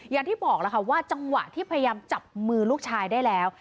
อย่างที่บอกแล้วค่ะว่าจังหวะที่พยายามจับมือลูกชายได้แล้ว